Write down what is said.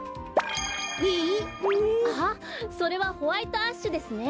ああそれはホワイトアッシュですね。